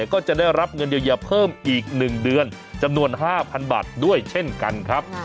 ก็จะได้รับเงินเยียวยาเพิ่มอีก๑เดือนจำนวน๕๐๐๐บาทด้วยเช่นกันครับ